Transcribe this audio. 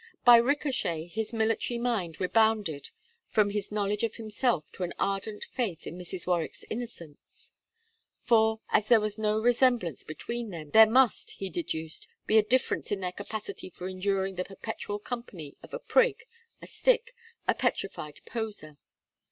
By ricochet his military mind rebounded from his knowledge of himself to an ardent, faith in Mrs. Warwick's innocence; for, as there was no resemblance between them, there must, he deduced, be a difference in their capacity for enduring the perpetual company of a prig, a stick, a petrified poser.